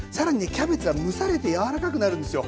キャベツは蒸されて柔らかくなるんですよ。